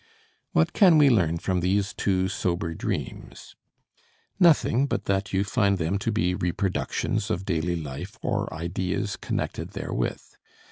What can we learn from these two sober dreams? Nothing but that you find them to be reproductions of daily life or ideas connected therewith.